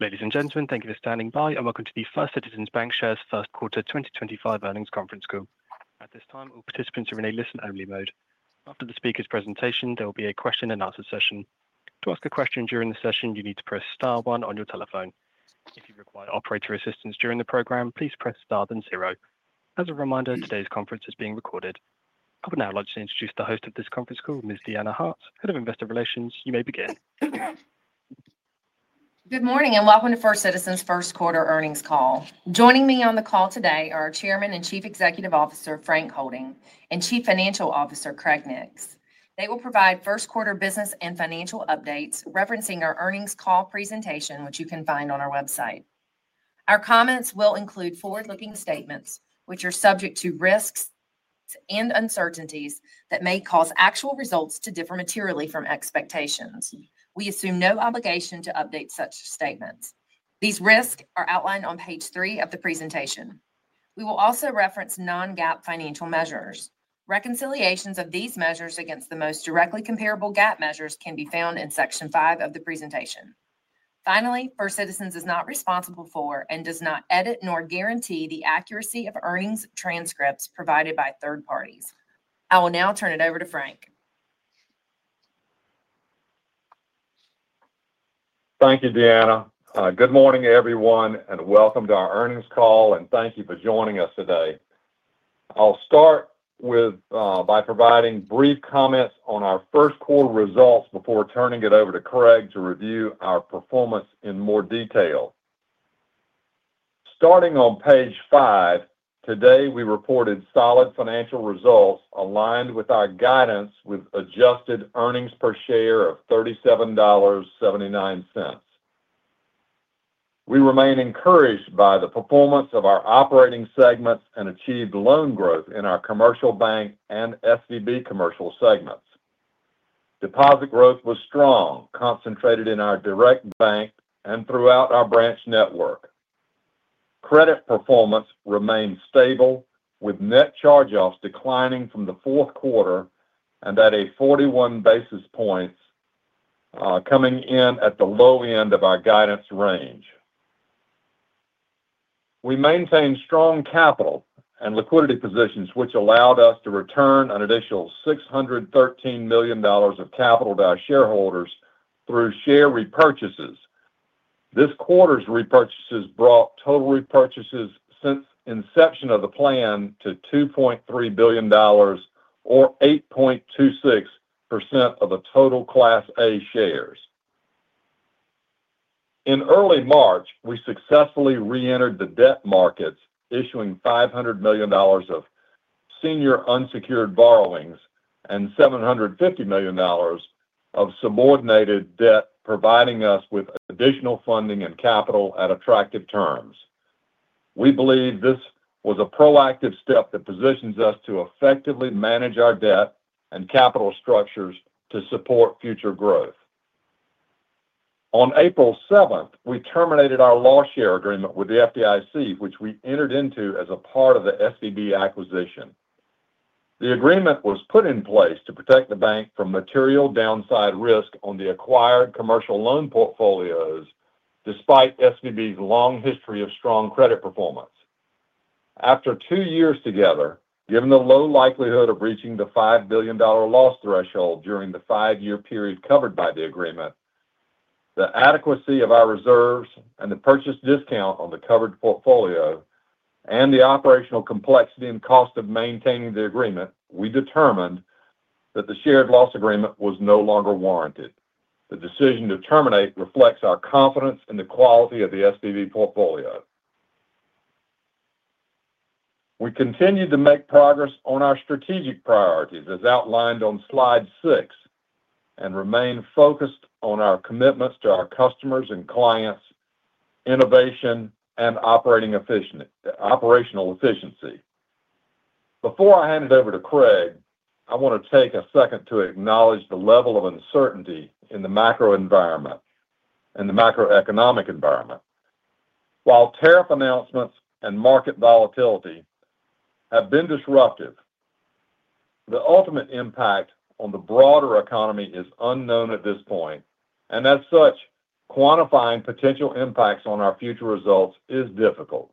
Ladies and gentlemen, thank you for standing by and welcome to the First Citizens BancShares First Quarter 2025 earnings conference call. At this time, all participants are in a listen-only mode. After the speaker's presentation, there will be a question-and-answer session. To ask a question during the session, you need to press star one on your telephone. If you require operator assistance during the program, please press star then zero. As a reminder, today's conference is being recorded. I will now like to introduce the host of this conference call, Ms. Deanna Hart, Head of Investor Relations. You may begin. Good morning and welcome to First Citizens' first quarter earnings call. Joining me on the call today are our Chairman and Chief Executive Officer, Frank Holding, and Chief Financial Officer, Craig Nix. They will provide first quarter business and financial updates referencing our earnings call presentation, which you can find on our website. Our comments will include forward-looking statements, which are subject to risks and uncertainties that may cause actual results to differ materially from expectations. We assume no obligation to update such statements. These risks are outlined on page three of the presentation. We will also reference non-GAAP financial measures. Reconciliations of these measures against the most directly comparable GAAP measures can be found in section five of the presentation. Finally, First Citizens is not responsible for and does not edit nor guarantee the accuracy of earnings transcripts provided by third parties. I will now turn it over to Frank. Thank you, Deanna. Good morning, everyone, and welcome to our earnings call, and thank you for joining us today. I'll start by providing brief comments on our first quarter results before turning it over to Craig to review our performance in more detail. Starting on page five, today we reported solid financial results aligned with our guidance with adjusted earnings per share of $37.79. We remain encouraged by the performance of our operating segments and achieved loan growth in our Commercial Bank and SVB Commercial segments. Deposit growth was strong, concentrated in our Direct Bank and throughout our Branch Network. Credit performance remained stable, with net charge-offs declining from the fourth quarter and at 41 basis points coming in at the low end of our guidance range. We maintained strong capital and liquidity positions, which allowed us to return an additional $613 million of capital to our shareholders through share repurchases. This quarter's repurchases brought total repurchases since inception of the plan to $2.3 billion, or 8.26% of the total Class A shares. In early March, we successfully re-entered the debt markets, issuing $500 million of senior unsecured borrowings and $750 million of subordinated debt, providing us with additional funding and capital at attractive terms. We believe this was a proactive step that positions us to effectively manage our debt and capital structures to support future growth. On April 7th, we terminated our loss share agreement with the FDIC, which we entered into as a part of the SVB acquisition. The agreement was put in place to protect the bank from material downside risk on the acquired commercial loan portfolios, despite SVB's long history of strong credit performance. After two years together, given the low likelihood of reaching the $5 billion loss threshold during the five-year period covered by the agreement, the adequacy of our reserves and the purchase discount on the covered portfolio, and the operational complexity and cost of maintaining the agreement, we determined that the shared loss agreement was no longer warranted. The decision to terminate reflects our confidence in the quality of the SVB portfolio. We continue to make progress on our strategic priorities, as outlined on slide six, and remain focused on our commitments to our customers and clients, innovation, and operational efficiency. Before I hand it over to Craig, I want to take a second to acknowledge the level of uncertainty in the macro environment and the macroeconomic environment. While tariff announcements and market volatility have been disruptive, the ultimate impact on the broader economy is unknown at this point, and as such, quantifying potential impacts on our future results is difficult.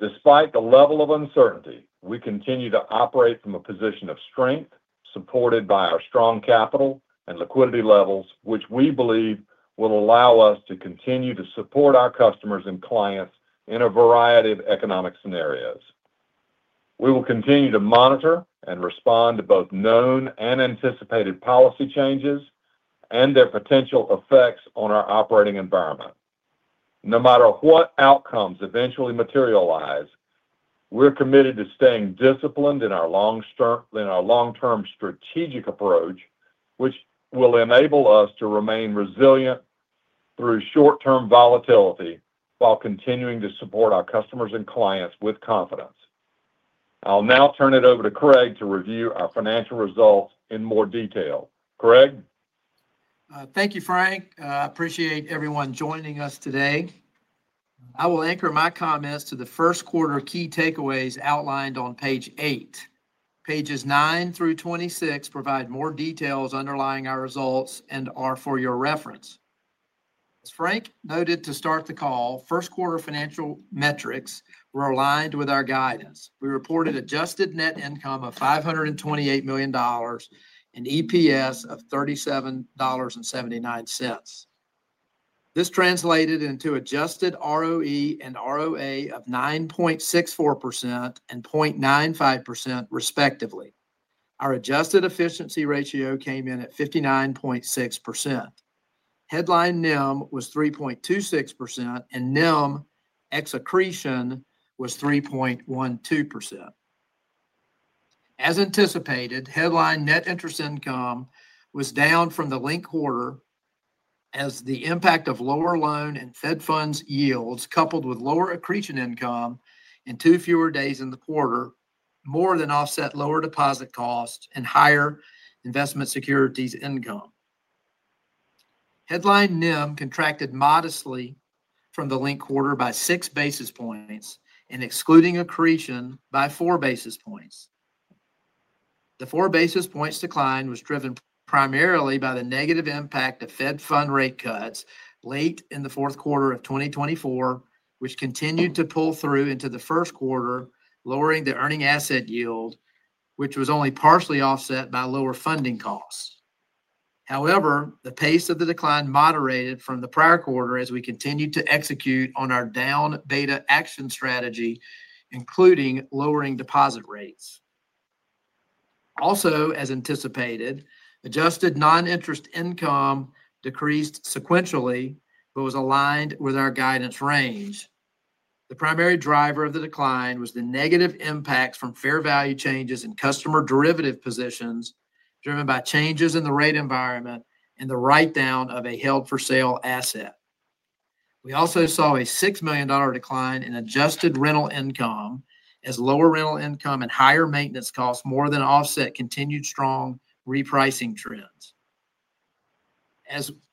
Despite the level of uncertainty, we continue to operate from a position of strength, supported by our strong capital and liquidity levels, which we believe will allow us to continue to support our customers and clients in a variety of economic scenarios. We will continue to monitor and respond to both known and anticipated policy changes and their potential effects on our operating environment. No matter what outcomes eventually materialize, we're committed to staying disciplined in our long-term strategic approach, which will enable us to remain resilient through short-term volatility while continuing to support our customers and clients with confidence. I'll now turn it over to Craig to review our financial results in more detail. Craig? Thank you, Frank. I appreciate everyone joining us today. I will anchor my comments to the first quarter key takeaways outlined on page eight. Pages nine through 26 provide more details underlying our results and are for your reference. As Frank noted to start the call, first quarter financial metrics were aligned with our guidance. We reported adjusted net income of $528 million and EPS of $37.79. This translated into adjusted ROE and ROA of 9.64% and 0.95%, respectively. Our adjusted efficiency ratio came in at 59.6%. Headline NIM was 3.26%, and NIM ex-accretion was 3.12%. As anticipated, headline net interest income was down from the linked quarter as the impact of lower loan and Fed funds yields, coupled with lower accretion income and two fewer days in the quarter, more than offset lower deposit costs and higher investment securities income. Headline NIM contracted modestly from the linked quarter by six basis points and excluding accretion by four basis points. The four basis points decline was driven primarily by the negative impact of Fed fund rate cuts late in the fourth quarter of 2024, which continued to pull through into the first quarter, lowering the earning asset yield, which was only partially offset by lower funding costs. However, the pace of the decline moderated from the prior quarter as we continued to execute on our down beta action strategy, including lowering deposit rates. Also, as anticipated, adjusted non-interest income decreased sequentially, but was aligned with our guidance range. The primary driver of the decline was the negative impacts from fair value changes in customer derivative positions driven by changes in the rate environment and the write-down of a held-for-sale asset. We also saw a $6 million decline in adjusted rental income as lower rental income and higher maintenance costs more than offset continued strong repricing trends.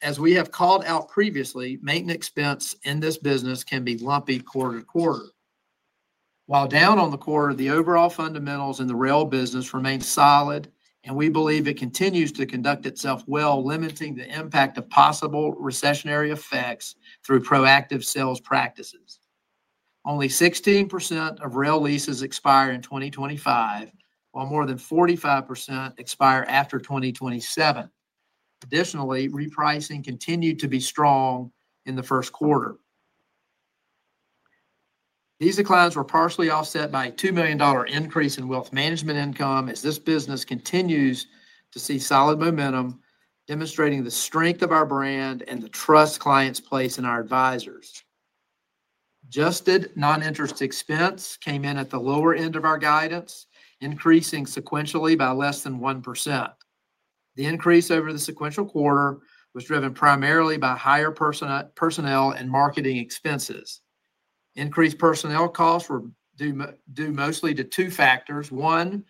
As we have called out previously, maintenance expense in this business can be lumpy quarter-to-quarter. While down on the quarter, the overall fundamentals in the Rail business remain solid, and we believe it continues to conduct itself well, limiting the impact of possible recessionary effects through proactive sales practices. Only 16% of Rail leases expire in 2025, while more than 45% expire after 2027. Additionally, repricing continued to be strong in the first quarter. These declines were partially offset by a $2 million increase in wealth management income as this business continues to see solid momentum, demonstrating the strength of our brand and the trust clients place in our advisors. Adjusted non-interest expense came in at the lower end of our guidance, increasing sequentially by less than 1%. The increase over the sequential quarter was driven primarily by higher personnel and marketing expenses. Increased personnel costs were due mostly to two factors. One,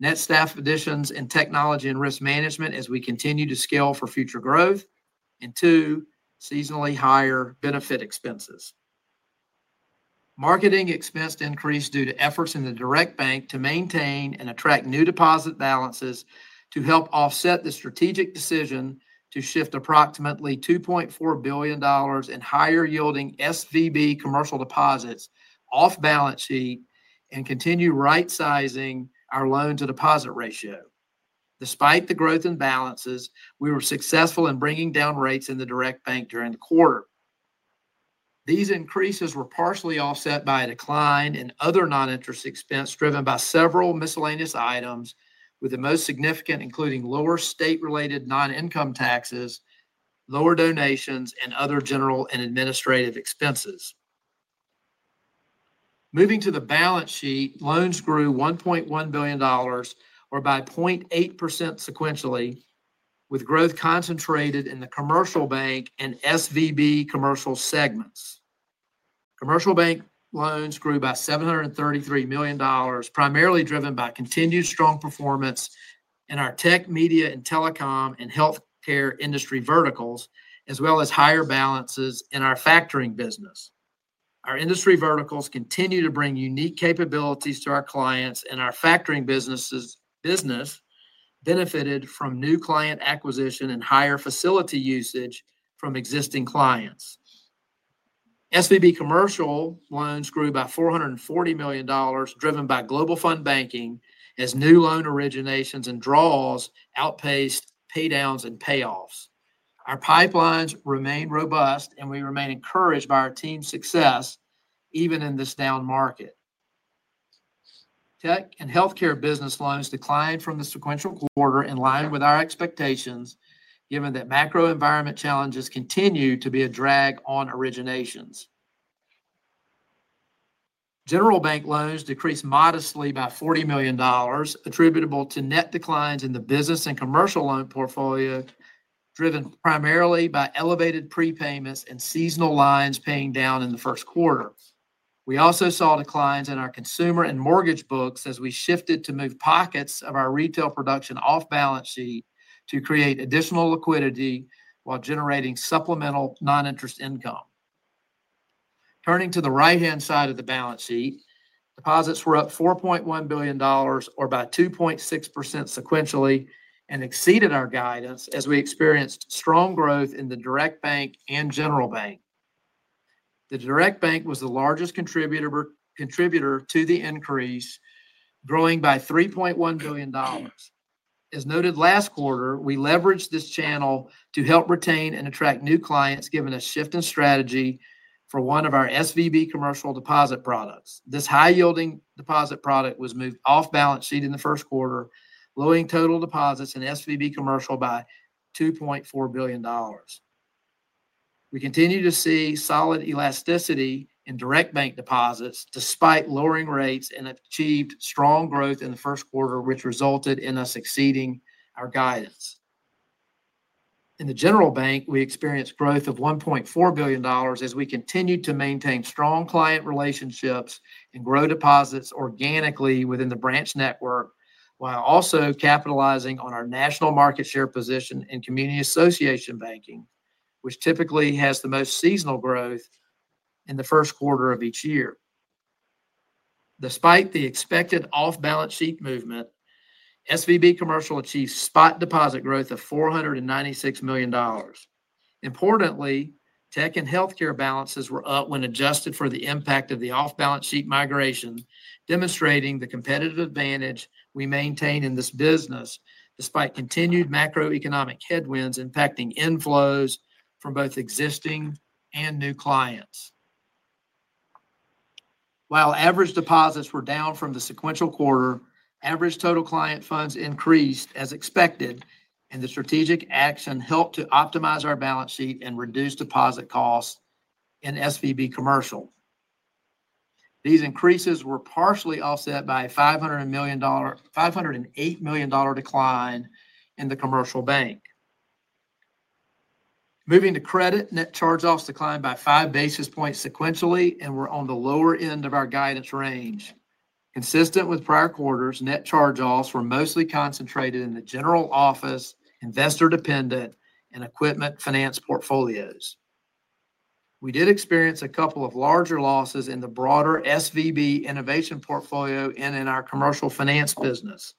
net staff additions in technology and risk management as we continue to scale for future growth, and two, seasonally higher benefit expenses. Marketing expense increased due to efforts in the Direct Bank to maintain and attract new deposit balances to help offset the strategic decision to shift approximately $2.4 billion in higher-yielding SVB Commercial deposits off balance sheet and continue right-sizing our loan-to-deposit ratio. Despite the growth in balances, we were successful in bringing down rates in the Direct Bank during the quarter. These increases were partially offset by a decline in other non-interest expense driven by several miscellaneous items, with the most significant including lower state-related non-income taxes, lower donations, and other general and administrative expenses. Moving to the balance sheet, loans grew $1.1 billion, or by 0.8% sequentially, with growth concentrated in the Commercial Bank and SVB Commercial segments. Commercial Bank loans grew by $733 million, primarily driven by continued strong performance in our Tech Media and Telecom and Healthcare industry verticals, as well as higher balances in our factoring business. Our industry verticals continue to bring unique capabilities to our clients, and our factoring business benefited from new client acquisition and higher facility usage from existing clients. SVB Commercial loans grew by $440 million, driven by Global Fund Banking as new loan originations and draws outpaced paydowns and payoffs. Our pipelines remain robust, and we remain encouraged by our team's success even in this down market. Tech and Healthcare business loans declined from the sequential quarter in line with our expectations, given that macro environment challenges continue to be a drag on originations. General Bank loans decreased modestly by $40 million, attributable to net declines in the business and commercial loan portfolio, driven primarily by elevated prepayments and seasonal lines paying down in the first quarter. We also saw declines in our consumer and mortgage books as we shifted to move pockets of our retail production off balance sheet to create additional liquidity while generating supplemental non-interest income. Turning to the right-hand side of the balance sheet, deposits were up $4.1 billion, or by 2.6% sequentially, and exceeded our guidance as we experienced strong growth in the Direct Bank and General Bank. The Direct Bank was the largest contributor to the increase, growing by $3.1 billion. As noted last quarter, we leveraged this channel to help retain and attract new clients, given a shift in strategy for one of our SVB Commercial deposit products. This high-yielding deposit product was moved off balance sheet in the first quarter, lowering total deposits in SVB Commercial by $2.4 billion. We continue to see solid elasticity in Direct Bank deposits despite lowering rates and achieved strong growth in the first quarter, which resulted in us exceeding our guidance. In the General Bank, we experienced growth of $1.4 billion as we continued to maintain strong client relationships and grow deposits organically within the Branch Network, while also capitalizing on our national market share position in Community Association Banking, which typically has the most seasonal growth in the first quarter of each year. Despite the expected off-balance sheet movement, SVB Commercial achieved spot deposit growth of $496 million. Importantly, Tech and Healthcare balances were up when adjusted for the impact of the off-balance sheet migration, demonstrating the competitive advantage we maintain in this business despite continued macroeconomic headwinds impacting inflows from both existing and new clients. While average deposits were down from the sequential quarter, average total client funds increased as expected, and the strategic action helped to optimize our balance sheet and reduce deposit costs in SVB Commercial. These increases were partially offset by a $508 million decline in the Commercial Bank. Moving to credit, net charge-offs declined by five basis points sequentially and were on the lower end of our guidance range. Consistent with prior quarters, net charge-offs were mostly concentrated in the general office, investor-dependent, and equipment finance portfolios. We did experience a couple of larger losses in the broader SVB Innovation portfolio and in our Commercial Finance business.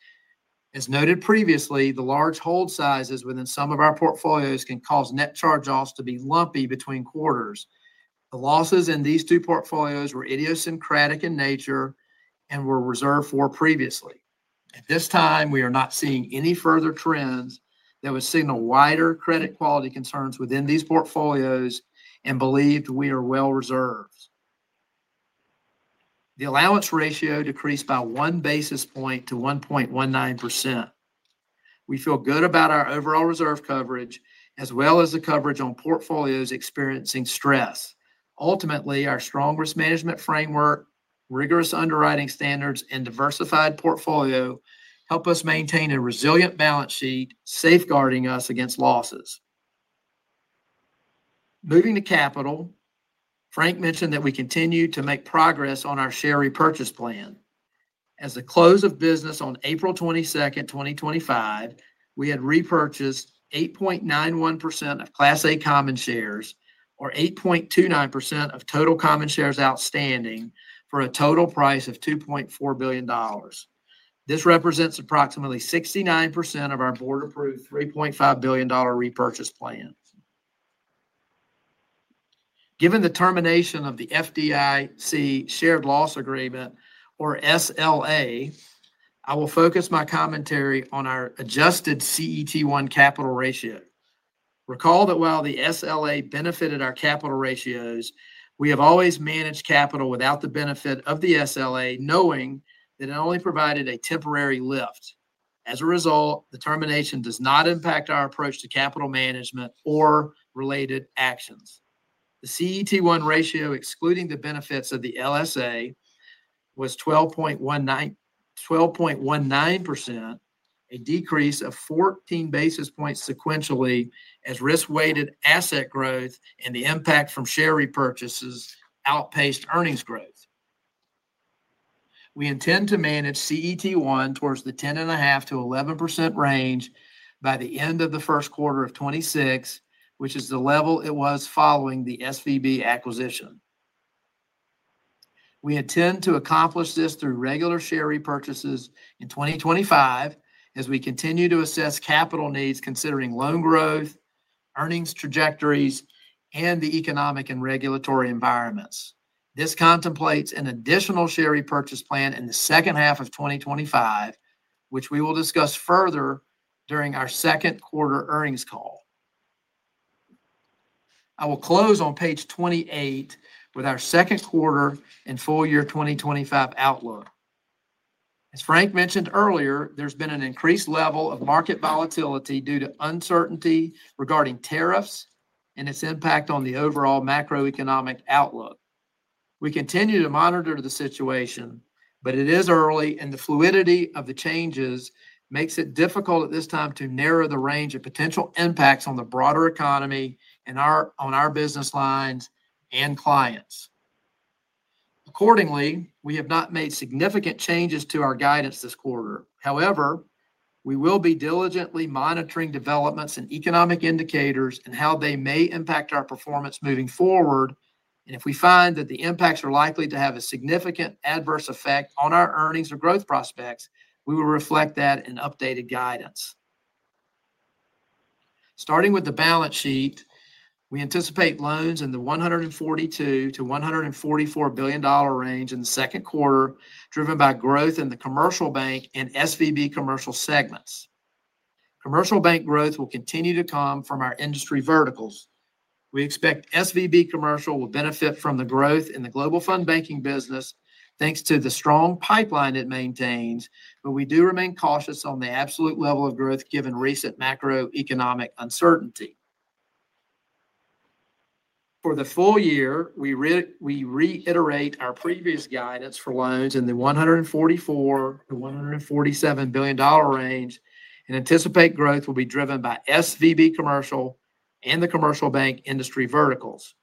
As noted previously, the large hold sizes within some of our portfolios can cause net charge-offs to be lumpy between quarters. The losses in these two portfolios were idiosyncratic in nature and were reserved for previously. At this time, we are not seeing any further trends that would signal wider credit quality concerns within these portfolios and believe we are well reserved. The allowance ratio decreased by one basis point to 1.19%. We feel good about our overall reserve coverage as well as the coverage on portfolios experiencing stress. Ultimately, our strong risk management framework, rigorous underwriting standards, and diversified portfolio help us maintain a resilient balance sheet, safeguarding us against losses. Moving to capital, Frank mentioned that we continue to make progress on our share repurchase plan. As the close of business on April 22nd, 2025, we had repurchased 8.91% of Class A Common Shares, or 8.29% of total common shares outstanding for a total price of $2.4 billion. This represents approximately 69% of our Board-approved $3.5 billion repurchase plan. Given the termination of theFDIC Shared-Loss Agreement, or SLA, I will focus my commentary on our adjusted CET1 capital ratio. Recall that while the SLA benefited our capital ratios, we have always managed capital without the benefit of the SLA, knowing that it only provided a temporary lift. As a result, the termination does not impact our approach to capital management or related actions. The CET1 ratio, excluding the benefits of the SLA, was 12.19%, a decrease of 14 basis points sequentially as risk-weighted asset growth and the impact from share repurchases outpaced earnings growth. We intend to manage CET1 towards the 10.5%-11% range by the end of the first quarter of 2026, which is the level it was following the SVB acquisition. We intend to accomplish this through regular share repurchases in 2025 as we continue to assess capital needs considering loan growth, earnings trajectories, and the economic and regulatory environments. This contemplates an additional share repurchase plan in the second half of 2025, which we will discuss further during our second quarter earnings call. I will close on page 28 with our second quarter and full year 2025 outlook. As Frank mentioned earlier, there's been an increased level of market volatility due to uncertainty regarding tariffs and its impact on the overall macroeconomic outlook. We continue to monitor the situation, but it is early, and the fluidity of the changes makes it difficult at this time to narrow the range of potential impacts on the broader economy and on our business lines and clients. Accordingly, we have not made significant changes to our guidance this quarter. However, we will be diligently monitoring developments in economic indicators and how they may impact our performance moving forward. If we find that the impacts are likely to have a significant adverse effect on our earnings or growth prospects, we will reflect that in updated guidance. Starting with the balance sheet, we anticipate loans in the $142 billion-$144 billion range in the second quarter, driven by growth in the Commercial Bank and SVB Commercial segments. Commercial Bank growth will continue to come from our industry verticals. We expect SVB Commercial will benefit from the growth in the Global Fund Banking business thanks to the strong pipeline it maintains, but we do remain cautious on the absolute level of growth given recent macroeconomic uncertainty. For the full year, we reiterate our previous guidance for loans in the $144 billion-$147 billion range and anticipate growth will be driven by SVB Commercial and the Commercial Bank industry verticals.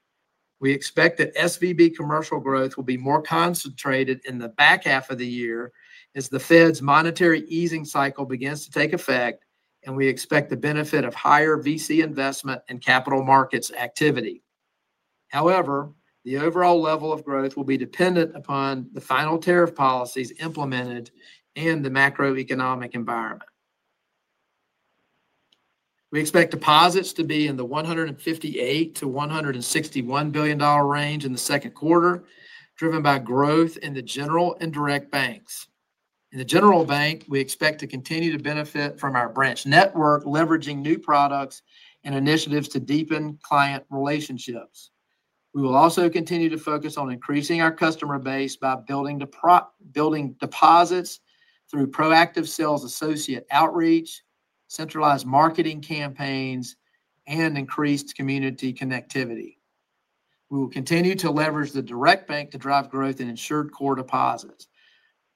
We expect that SVB Commercial growth will be more concentrated in the back half of the year as the Fed's monetary easing cycle begins to take effect, and we expect the benefit of higher VC investment and capital markets activity. However, the overall level of growth will be dependent upon the final tariff policies implemented and the macroeconomic environment. We expect deposits to be in the $158 billion-$161 billion range in the second quarter, driven by growth in the General and Direct Banks. In the General Bank, we expect to continue to benefit from our Branch Network, leveraging new products and initiatives to deepen client relationships. We will also continue to focus on increasing our customer base by building deposits through proactive sales associate outreach, centralized marketing campaigns, and increased community connectivity. We will continue to leverage the Direct Bank to drive growth in insured core deposits.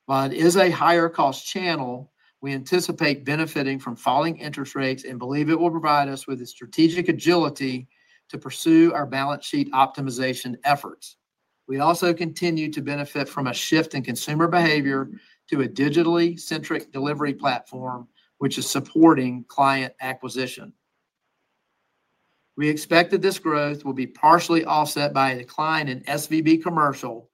While it is a higher-cost channel, we anticipate benefiting from falling interest rates and believe it will provide us with the strategic agility to pursue our balance sheet optimization efforts. We also continue to benefit from a shift in consumer behavior to a digitally centric delivery platform, which is supporting client acquisition. We expect that this growth will be partially offset by a decline in SVB Commercial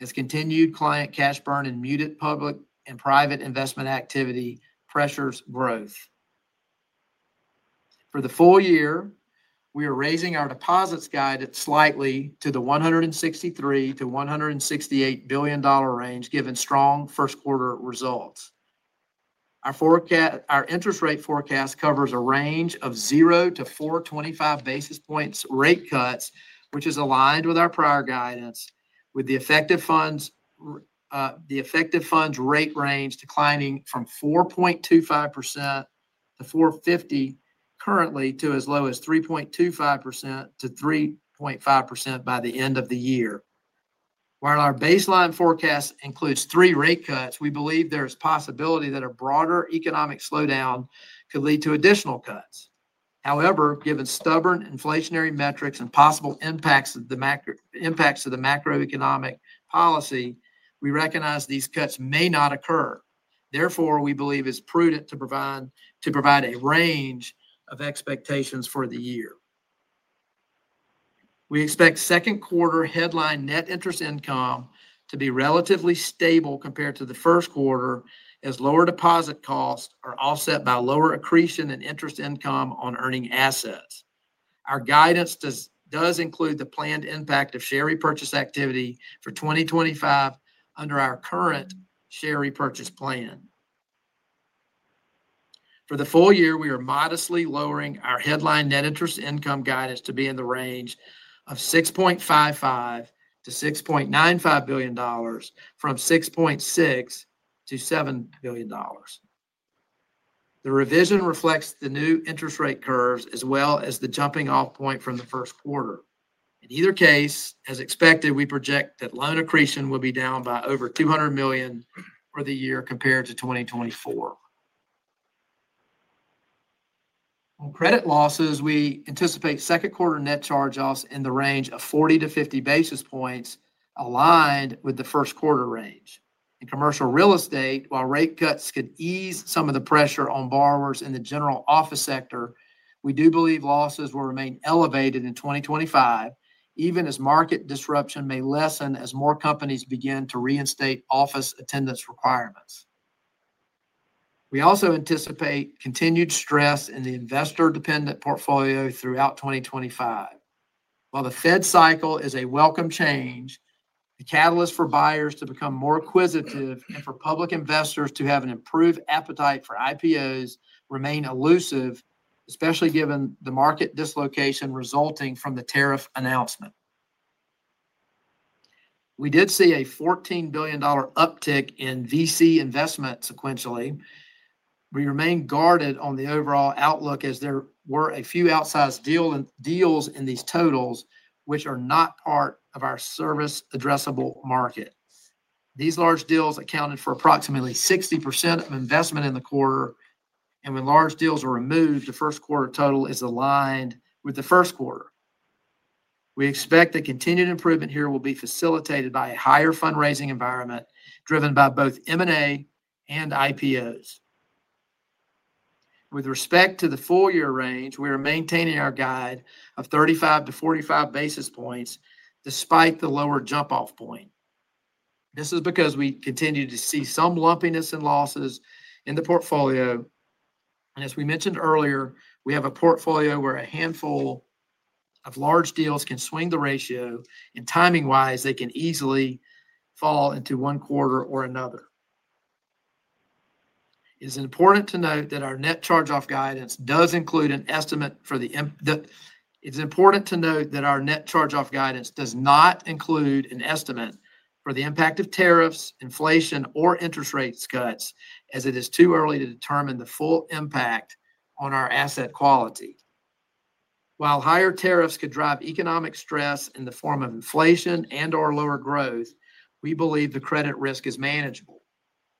as continued client cash burn and muted public and private investment activity pressures growth. For the full year, we are raising our deposits guidance slightly to the $163 billion-$168 billion range, given strong first quarter results. Our interest rate forecast covers a range of 0 basis points-425 basis points rate cuts, which is aligned with our prior guidance, with the effective funds rate range declining from 4.25%-4.50% currently to as low as 3.25%-3.5% by the end of the year. While our baseline forecast includes three rate cuts, we believe there is possibility that a broader economic slowdown could lead to additional cuts. However, given stubborn inflationary metrics and possible impacts of the macroeconomic policy, we recognize these cuts may not occur. Therefore, we believe it's prudent to provide a range of expectations for the year. We expect second quarter headline net interest income to be relatively stable compared to the first quarter as lower deposit costs are offset by lower accretion and interest income on earning assets. Our guidance does include the planned impact of share repurchase activity for 2025 under our current share repurchase plan. For the full year, we are modestly lowering our headline net interest income guidance to be in the range of $6.55 billion-$6.95 billion from $6.6 billion-$7 billion. The revision reflects the new interest rate curves as well as the jumping-off point from the first quarter. In either case, as expected, we project that loan accretion will be down by over $200 million for the year compared to 2024. On credit losses, we anticipate second quarter net charge-offs in the range of 40 basis points-50 basis points aligned with the first quarter range. In commercial real estate, while rate cuts could ease some of the pressure on borrowers in the general office sector, we do believe losses will remain elevated in 2025, even as market disruption may lessen as more companies begin to reinstate office attendance requirements. We also anticipate continued stress in the investor-dependent portfolio throughout 2025. While the Fed cycle is a welcome change, the catalyst for buyers to become more acquisitive and for public investors to have an improved appetite for IPOs remains elusive, especially given the market dislocation resulting from the tariff announcement. We did see a $14 billion uptick in VC investment sequentially. We remain guarded on the overall outlook as there were a few outsized deals in these totals, which are not part of our service-addressable market. These large deals accounted for approximately 60% of investment in the quarter, and when large deals are removed, the first quarter total is aligned with the first quarter. We expect that continued improvement here will be facilitated by a higher fundraising environment driven by both M&A and IPOs. With respect to the full year range, we are maintaining our guide of 35 basis points-45 basis points despite the lower jump-off point. This is because we continue to see some lumpiness in losses in the portfolio. As we mentioned earlier, we have a portfolio where a handful of large deals can swing the ratio, and timing-wise, they can easily fall into one quarter or another. It is important to note that our net charge-off guidance does not include an estimate for the impact of tariffs, inflation, or interest rate cuts, as it is too early to determine the full impact on our asset quality. While higher tariffs could drive economic stress in the form of inflation and/or lower growth, we believe the credit risk is manageable.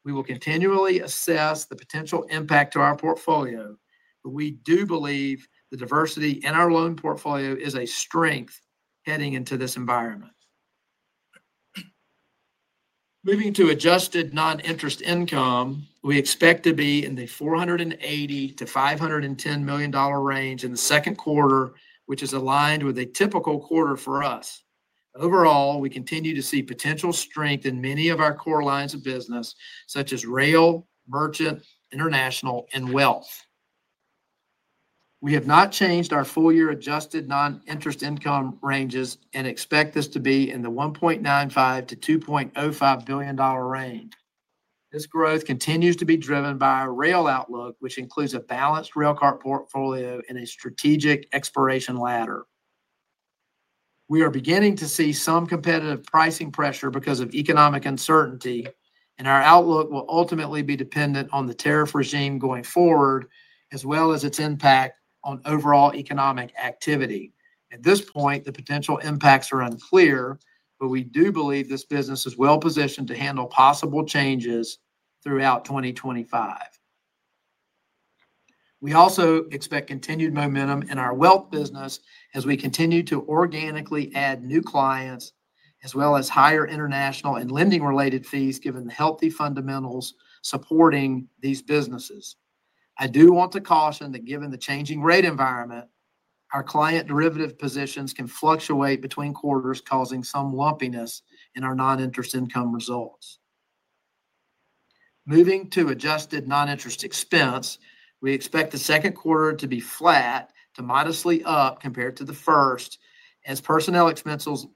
We will continually assess the potential impact to our portfolio, but we do believe the diversity in our loan portfolio is a strength heading into this environment. Moving to adjusted non-interest income, we expect to be in the $480 million-$510 million range in the second quarter, which is aligned with a typical quarter for us. Overall, we continue to see potential strength in many of our core lines of business, such as Rail, Merchant, International, and Wealth. We have not changed our full-year adjusted non-interest income ranges and expect this to be in the $1.95 billion-$2.05 billion range. This growth continues to be driven by our Rail outlook, which includes a balanced railcar portfolio and a strategic exploration ladder. We are beginning to see some competitive pricing pressure because of economic uncertainty, and our outlook will ultimately be dependent on the tariff regime going forward, as well as its impact on overall economic activity. At this point, the potential impacts are unclear, but we do believe this business is well-positioned to handle possible changes throughout 2025. We also expect continued momentum in our wealth business as we continue to organically add new clients, as well as higher international and lending-related fees given the healthy fundamentals supporting these businesses. I do want to caution that given the changing rate environment, our client derivative positions can fluctuate between quarters, causing some lumpiness in our non-interest income results. Moving to adjusted non-interest expense, we expect the second quarter to be flat to modestly up compared to the first as personnel expenses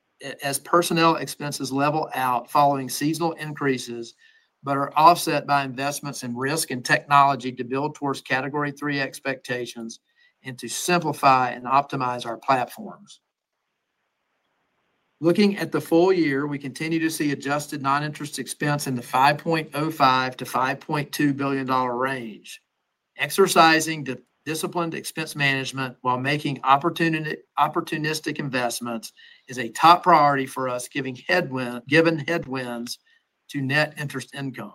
level out following seasonal increases, but are offset by investments in risk and technology to build towards Category III expectations and to simplify and optimize our platforms. Looking at the full year, we continue to see adjusted non-interest expense in the $5.05 billion-$5.2 billion range. Exercising disciplined expense management while making opportunistic investments is a top priority for us, given headwinds to net interest income.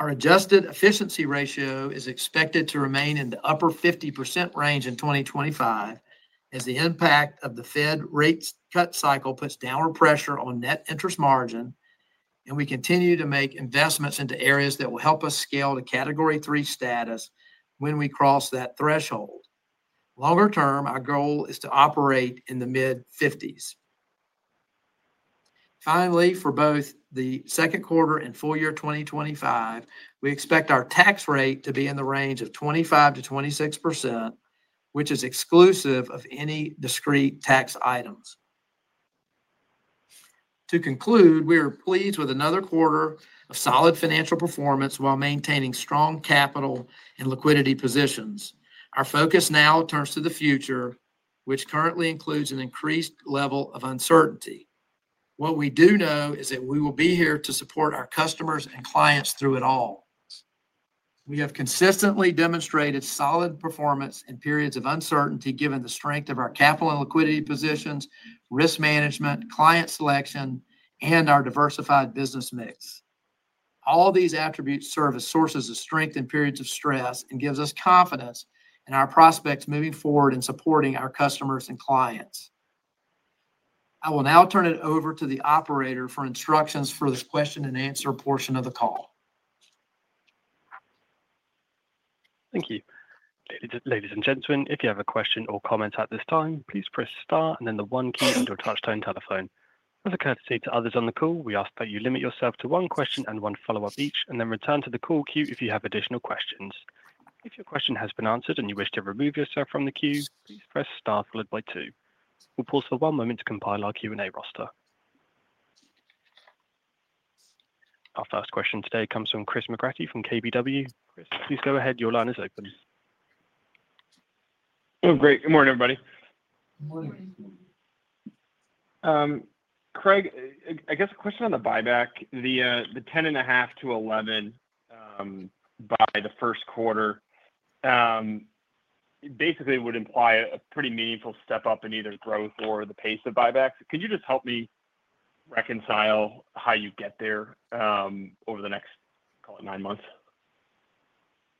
Our adjusted efficiency ratio is expected to remain in the upper 50% range in 2025 as the impact of the Fed rate cut cycle puts downward pressure on net interest margin, and we continue to make investments into areas that will help us scale to Category III status when we cross that threshold. Longer term, our goal is to operate in the mid-50%. Finally, for both the second quarter and full year 2025, we expect our tax rate to be in the range of 25%-26%, which is exclusive of any discrete tax items. To conclude, we are pleased with another quarter of solid financial performance while maintaining strong capital and liquidity positions. Our focus now turns to the future, which currently includes an increased level of uncertainty. What we do know is that we will be here to support our customers and clients through it all. We have consistently demonstrated solid performance in periods of uncertainty given the strength of our capital and liquidity positions, risk management, client selection, and our diversified business mix. All these attributes serve as sources of strength in periods of stress and give us confidence in our prospects moving forward and supporting our customers and clients. I will now turn it over to the operator for instructions for the question-and-answer portion of the call. Thank you. Ladies and gentlemen, if you have a question or comment at this time, please press star and then the one key on your touch-tone telephone. As a courtesy to others on the call, we ask that you limit yourself to one question and one follow-up each, and then return to the call queue if you have additional questions. If your question has been answered and you wish to remove yourself from the queue, please press star followed by two. We'll pause for one moment to compile our Q&A roster. Our first question today comes from Chris McGratty from KBW. Chris, please go ahead. Your line is open. Oh, great. Good morning, everybody. Good morning. Craig, I guess a question on the buyback, the 10.5%-11% by the first quarter basically would imply a pretty meaningful step up in either growth or the pace of buybacks. Could you just help me reconcile how you get there over the next, call it, nine months?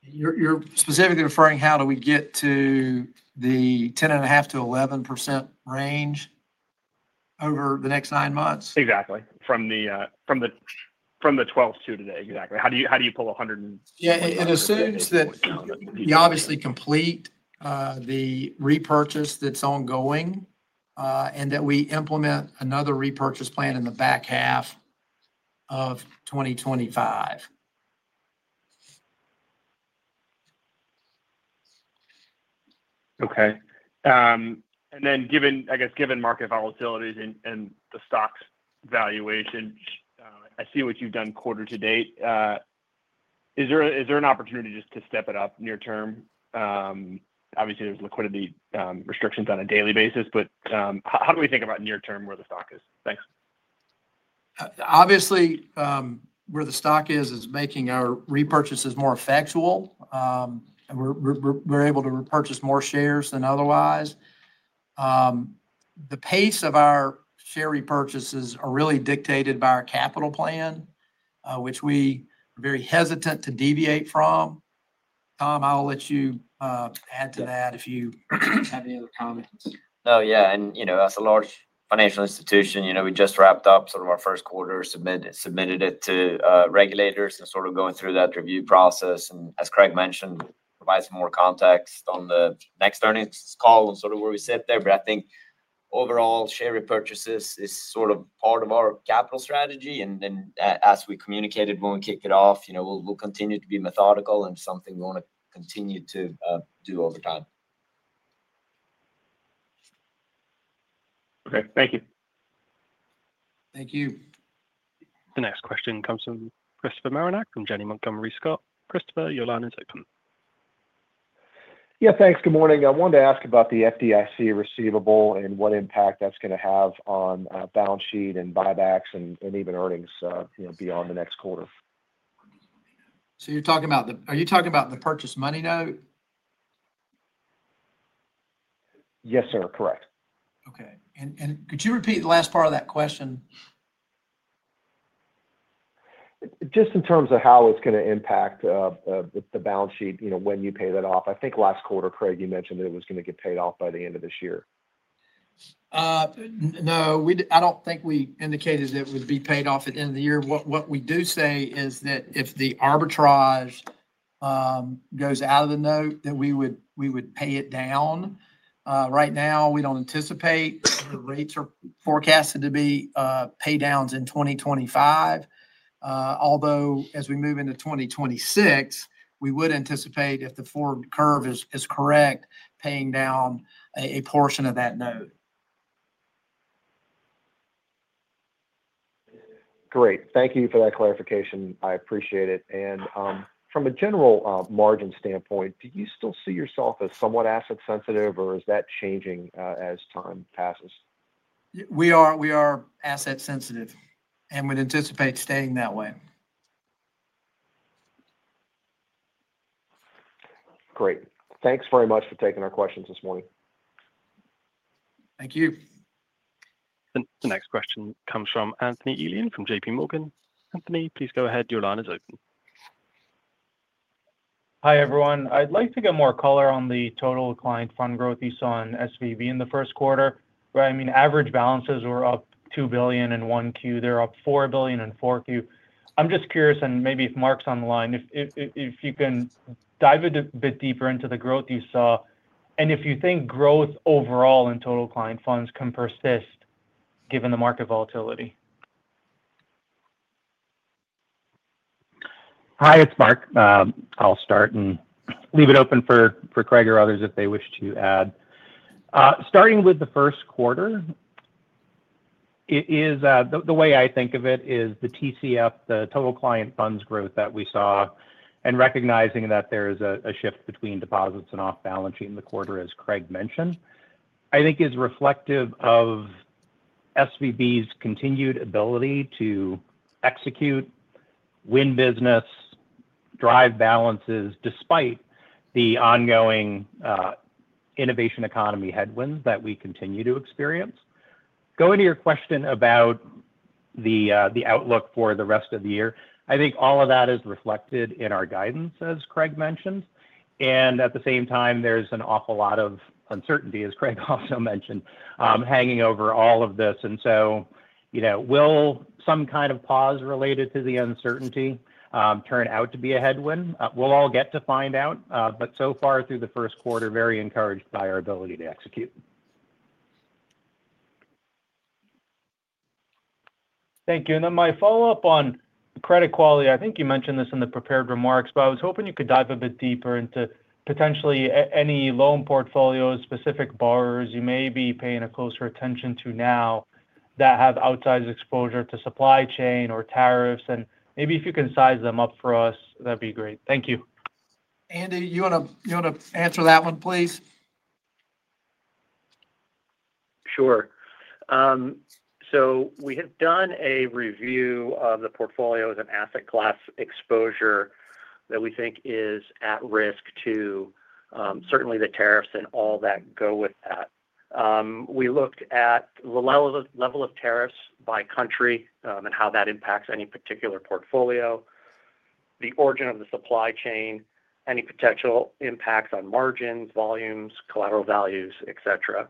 You're specifically referring how do we get to the 10.5%-11% range over the next nine months? Exactly. From the 12th to today, exactly. How do you pull 100%? Yeah. It assumes that we obviously complete the repurchase that's ongoing and that we implement another repurchase plan in the back half of 2025. Okay. I guess, given market volatilities and the stock's valuation, I see what you've done quarter-to-date. Is there an opportunity just to step it up near term? Obviously, there's liquidity restrictions on a daily basis, but how do we think about near term where the stock is? Thanks. Obviously, where the stock is, is making our repurchases more effectual. We're able to repurchase more shares than otherwise. The pace of our share repurchases is really dictated by our capital plan, which we are very hesitant to deviate from. Tom, I'll let you add to that if you have any other comments. Oh, yeah. As a large financial institution, we just wrapped up sort of our first quarter, submitted it to regulators, and sort of going through that review process. As Craig mentioned, provide some more context on the next earnings call and sort of where we sit there. I think overall, share repurchases is sort of part of our capital strategy. As we communicated when we kicked it off, we'll continue to be methodical and something we want to continue to do over time. Okay. Thank you. Thank you. The next question comes from Christopher Marinac from Janney Montgomery Scott. Christopher, your line is open. Yeah. Thanks. Good morning. I wanted to ask about the FDIC receivable and what impact that's going to have on balance sheet and buybacks and even earnings beyond the next quarter. You're talking about the are you talking about the purchase money note? Yes, sir. Correct. Okay. Could you repeat the last part of that question? Just in terms of how it's going to impact the balance sheet when you pay that off. I think last quarter, Craig, you mentioned that it was going to get paid off by the end of this year. No, I do not think we indicated that it would be paid off at the end of the year. What we do say is that if the arbitrage goes out of the note, we would pay it down. Right now, we do not anticipate the rates are forecasted to be paydowns in 2025. Although, as we move into 2026, we would anticipate, if the forward curve is correct, paying down a portion of that note. Great. Thank you for that clarification. I appreciate it. From a general margin standpoint, do you still see yourself as somewhat asset-sensitive, or is that changing as time passes? We are asset-sensitive, and we'd anticipate staying that way. Great. Thanks very much for taking our questions this morning. Thank you. The next question comes from Anthony Elian from JPMorgan. Anthony, please go ahead. Your line is open. Hi everyone. I'd like to get more color on the total client fund growth you saw in SVB in the first quarter. I mean, average balances were up $2 billion in Q1. They're up $4 billion in Q4. I'm just curious, and maybe if Marc's on the line, if you can dive a bit deeper into the growth you saw and if you think growth overall in total client funds can persist given the market volatility. Hi, it's Marc. I'll start and leave it open for Craig or others if they wish to add. Starting with the first quarter, the way I think of it is the TCF, the total client funds growth that we saw, and recognizing that there is a shift between deposits and off-balance sheet in the quarter, as Craig mentioned, I think is reflective of SVB's continued ability to execute, win business, drive balances despite the ongoing innovation economy headwinds that we continue to experience. Going to your question about the outlook for the rest of the year, I think all of that is reflected in our guidance, as Craig mentioned. At the same time, there's an awful lot of uncertainty, as Craig also mentioned, hanging over all of this. Will some kind of pause related to the uncertainty turn out to be a headwind? We'll all get to find out. So far through the first quarter, very encouraged by our ability to execute. Thank you. My follow-up on credit quality, I think you mentioned this in the prepared remarks, but I was hoping you could dive a bit deeper into potentially any loan portfolios, specific borrowers you may be paying closer attention to now that have outsized exposure to supply chain or tariffs. Maybe if you can size them up for us, that would be great. Thank you. Andy, you want to answer that one, please? Sure. We have done a review of the portfolios and asset class exposure that we think is at risk to certainly the tariffs and all that go with that. We looked at the level of tariffs by country and how that impacts any particular portfolio, the origin of the supply chain, any potential impacts on margins, volumes, collateral values, etc.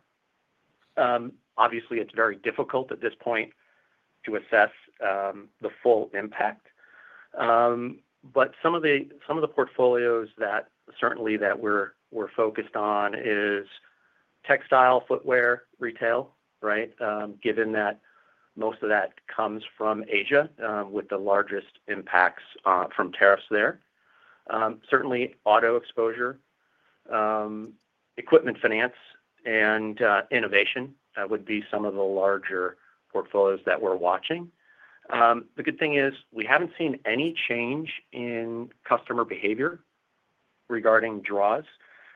Obviously, it's very difficult at this point to assess the full impact. But some of the portfolios that certainly that we're focused on is textile, footwear, retail, right, given that most of that comes from Asia with the largest impacts from tariffs there. Certainly, auto exposure, equipment finance, and innovation would be some of the larger portfolios that we're watching. The good thing is we haven't seen any change in customer behavior regarding draws.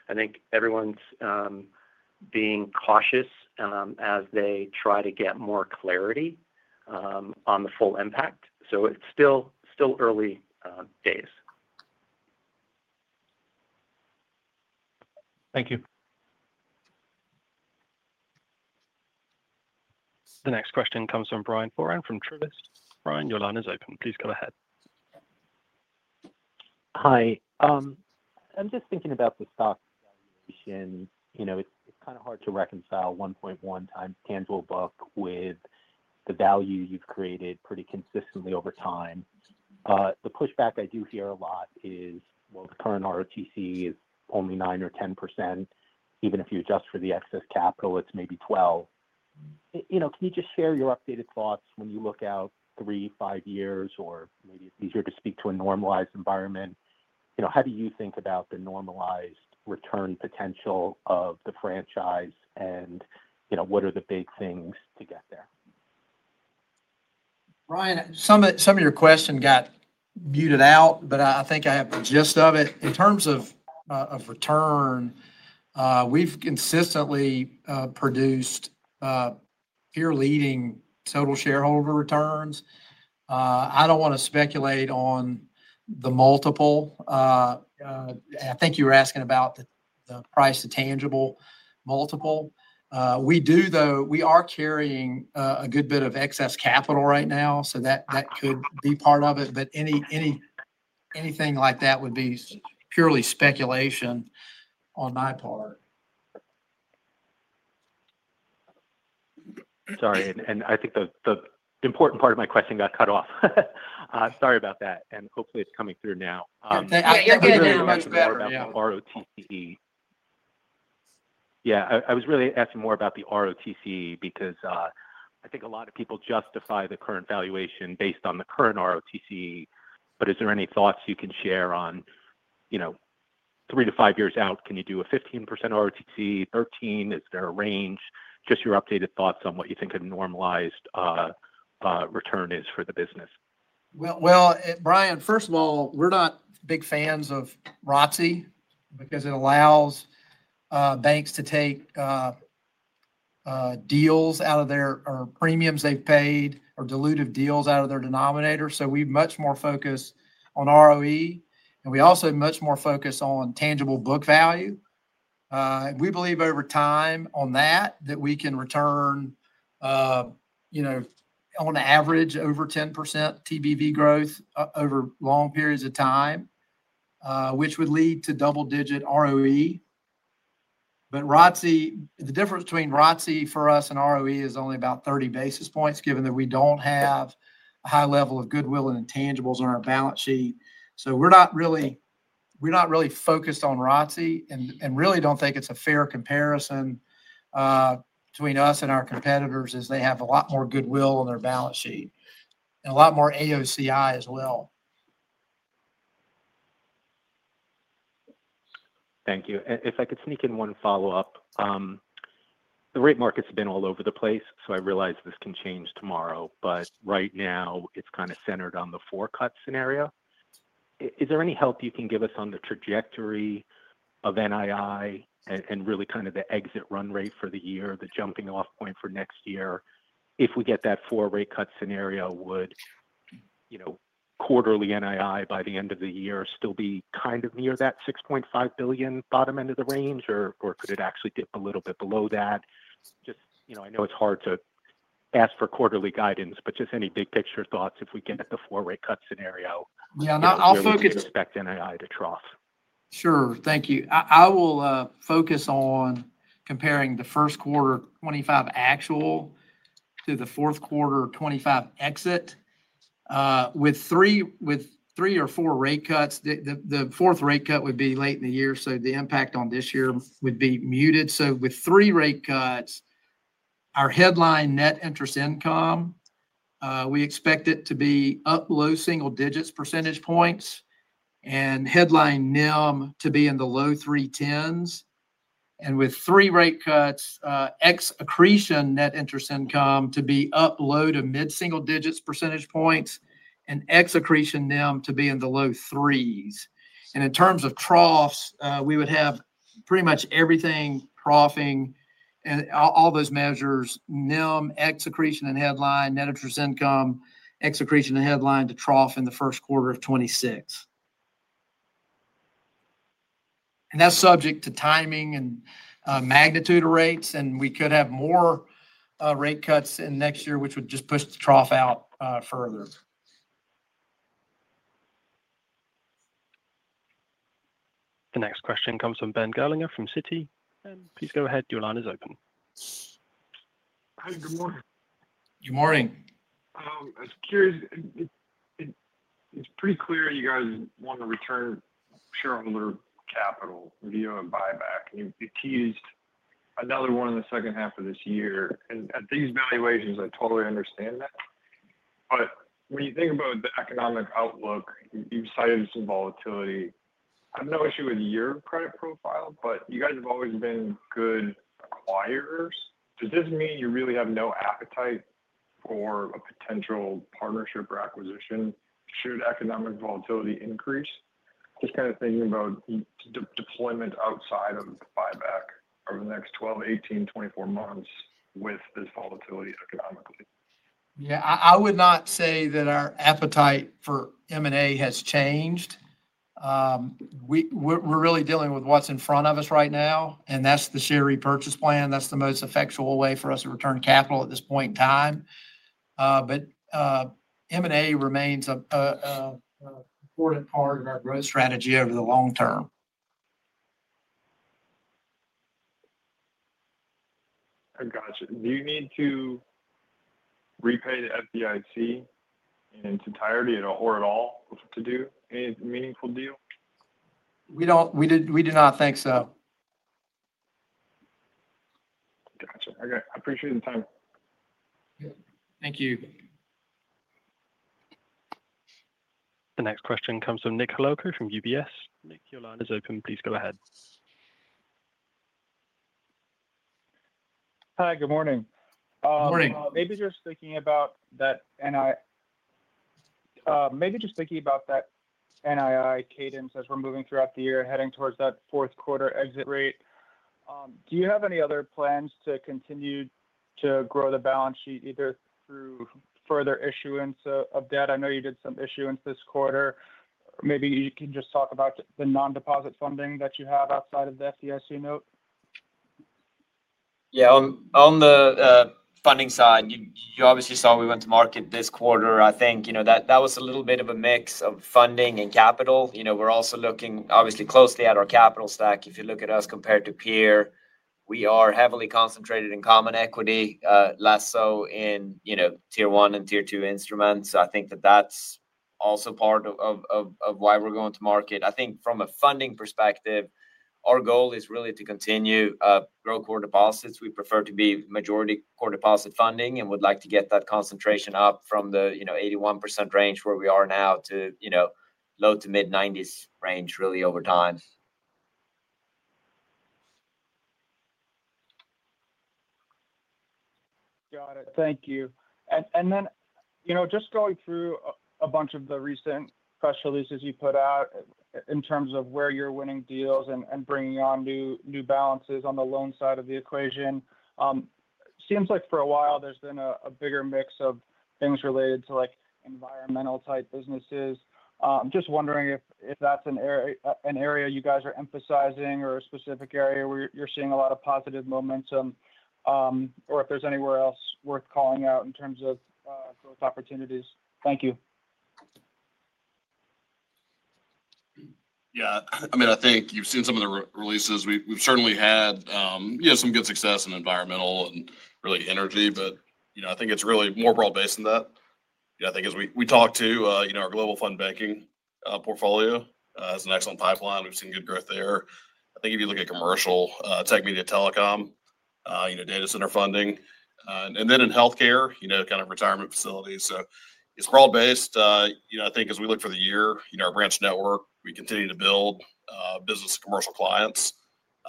I think everyone's being cautious as they try to get more clarity on the full impact. It's still early days. Thank you. The next question comes from Brian Foran from Truist. Brian, your line is open. Please go ahead. Hi. I'm just thinking about the stock valuation. It's kind of hard to reconcile 1.1 times tangible book with the value you've created pretty consistently over time. The pushback I do hear a lot is, well, the current ROTCE is only 9 or 10%. Even if you adjust for the excess capital, it's maybe 12%. Can you just share your updated thoughts when you look out three, five years, or maybe it's easier to speak to a normalized environment? How do you think about the normalized return potential of the franchise, and what are the big things to get there? Brian, some of your questions got muted out, but I think I have the gist of it. In terms of return, we've consistently produced peer-leading total shareholder returns. I don't want to speculate on the multiple. I think you were asking about the price of tangible multiple. We do, though. We are carrying a good bit of excess capital right now, so that could be part of it. Anything like that would be purely speculation on my part. Sorry. I think the important part of my question got cut off. Sorry about that. Hopefully, it's coming through now. Much better. About the ROTCE. I was really asking more about the ROTCE because I think a lot of people justify the current valuation based on the current ROTCE. Is there any thoughts you can share on 3 years-5 years out? Can you do a 15% ROTCE, 13%? Is there a range? Just your updated thoughts on what you think a normalized return is for the business. Brian, first of all, we're not big fans of ROTCE because it allows banks to take deals out of their or premiums they've paid or dilutive deals out of their denominator. We've much more focused on ROE, and we also have much more focus on tangible book value. We believe over time on that that we can return on average over 10% TBV growth over long periods of time, which would lead to double-digit ROE. The difference between ROTCE for us and ROE is only about 30 basis points, given that we don't have a high level of goodwill and intangibles on our balance sheet. We're not really focused on ROTCE and really don't think it's a fair comparison between us and our competitors as they have a lot more goodwill on their balance sheet and a lot more AOCI as well. Thank you. If I could sneak in one follow-up, the rate market's been all over the place, so I realize this can change tomorrow. Right now, it's kind of centered on the forecut scenario. Is there any help you can give us on the trajectory of NII and really kind of the exit run rate for the year, the jumping-off point for next year? If we get that four-rate cut scenario, would quarterly NII by the end of the year still be kind of near that $6.5 billion bottom end of the range, or could it actually dip a little bit below that? I know it's hard to ask for quarterly guidance, but just any big picture thoughts if we get the four-rate cut scenario. Yeah. I'll focus. I'll expect NII to trough. Sure. Thank you. I will focus on comparing the first quarter 2025 actual to the fourth quarter 2025 exit. With three or four rate cuts, the fourth rate cut would be late in the year, so the impact on this year would be muted. With three rate cuts, our headline net interest income, we expect it to be up low single digits percentage points and headline NIM to be in the low 3.10%. With three rate cuts, ex-accretion net interest income to be up low to mid single digits percentage points and ex-accretion NIM to be in the low 3%. In terms of troughs, we would have pretty much everything troughing and all those measures, NIM, ex-accretion and headline, net interest income, ex-accretion and headline to trough in the first quarter of 2026. That is subject to timing and magnitude of rates. We could have more rate cuts in next year, which would just push the trough out further. The next question comes from Ben Gerlinger from Citi. Please go ahead. Your line is open. Hi. Good morning. Good morning. I was curious. It's pretty clear you guys want to return shareholder capital via a buyback. You teased another one in the second half of this year. At these valuations, I totally understand that. When you think about the economic outlook, you've cited some volatility. I have no issue with your credit profile, but you guys have always been good acquirers. Does this mean you really have no appetite for a potential partnership or acquisition should economic volatility increase? Just kind of thinking about deployment outside of the buyback over the next 12 months, 18 months, 24 months with this volatility economically. Yeah. I would not say that our appetite for M&A has changed. We're really dealing with what's in front of us right now, and that's the share repurchase plan. That's the most effectual way for us to return capital at this point in time. M&A remains an important part of our growth strategy over the long term. I gotcha. Do you need to repay the FDIC in its entirety or at all to do any meaningful deal? We do not think so. Gotcha. Okay. I appreciate the time. Thank you. The next question comes from Nick Holowko from UBS. Nick, your line is open. Please go ahead. Hi. Good morning. Good morning. Maybe just thinking about that NII cadence as we're moving throughout the year heading towards that fourth quarter exit rate. Do you have any other plans to continue to grow the balance sheet either through further issuance of debt? I know you did some issuance this quarter. Maybe you can just talk about the non-deposit funding that you have outside of the FDIC note. Yeah. On the funding side, you obviously saw we went to market this quarter. I think that was a little bit of a mix of funding and capital. We're also looking obviously closely at our capital stack. If you look at us compared to peer, we are heavily concentrated in common equity, less so in Tier 1 and Tier 2 instruments. I think that that's also part of why we're going to market. I think from a funding perspective, our goal is really to continue grow core deposits. We prefer to be majority core deposit funding and would like to get that concentration up from the 81% range where we are now to low to mid-90% range really over time. Got it. Thank you. Just going through a bunch of the recent press releases you put out in terms of where you're winning deals and bringing on new balances on the loan side of the equation, it seems like for a while there's been a bigger mix of things related to environmental-type businesses. I'm just wondering if that's an area you guys are emphasizing or a specific area where you're seeing a lot of positive momentum or if there's anywhere else worth calling out in terms of growth opportunities. Thank you. Yeah. I mean, I think you've seen some of the releases. We've certainly had some good success in environmental and really energy. I think it's really more broad based than that. I think as we talk to our Global Fund Banking portfolio, it's an excellent pipeline. We've seen good growth there. I think if you look at Commercial, Tech Media, Telecom, data center funding, and then in Healthcare, kind of retirement facilities. It is broad based. I think as we look for the year, our Branch Network, we continue to build business commercial clients.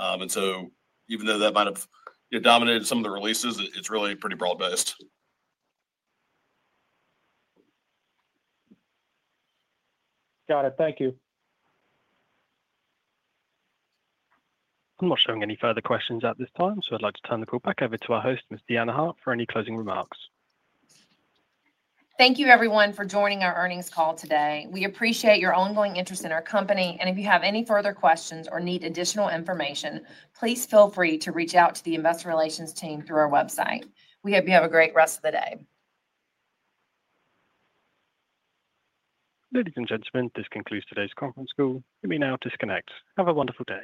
Even though that might have dominated some of the releases, it is really pretty broad based. Got it. Thank you. I am not showing any further questions at this time, so I would like to turn the call back over to our host, Ms. Deanna Hart, for any closing remarks. Thank you, everyone, for joining our earnings call today. We appreciate your ongoing interest in our company. If you have any further questions or need additional information, please feel free to reach out to the investor relations team through our website. We hope you have a great rest of the day. Ladies and gentlemen, this concludes today's conference call. You may now disconnect. Have a wonderful day.